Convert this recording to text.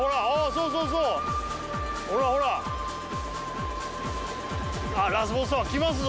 そうそうそうほらほらあっラスボス様来ますぞ